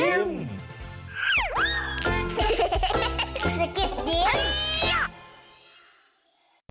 ดีบด